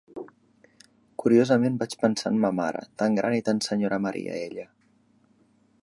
Curiosament vaig pensar en ma mare, tan gran i tan senyora Maria ella.